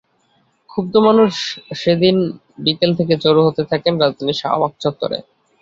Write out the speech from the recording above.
ক্ষুব্ধ মানুষ সেদিন বিকেল থেকে জড়ো হতে থাকেন রাজধানীর শাহবাগ চত্বরে।